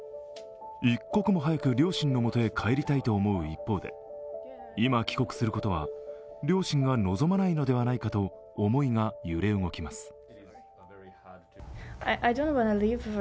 一刻も早く両親の元へ帰りたいと思う一方で今帰国することは両親が望まないのではないかと思いが揺れ動きます。